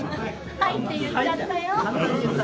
はいって言っちゃったよ。